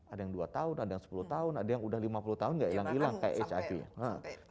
ada yang dua tahun ada yang sepuluh tahun ada yang sudah lima puluh tahun tidak hilang hilang seperti hiv